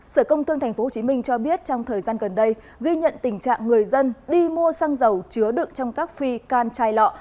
sở công thương tp hcm cho biết trong thời gian gần đây ghi nhận tình trạng người dân đi mua xăng dầu chứa đựng trong các phi can chai lọ